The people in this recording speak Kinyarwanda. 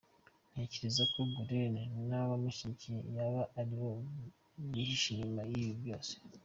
Ntekereza ko Gulen n’abamushyigikiye yaba aribo bihishe inyuma y’ibi byose.